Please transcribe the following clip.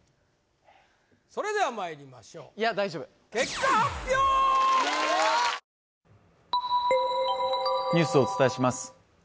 それではまいりましょういや大丈夫ニュースをお伝えします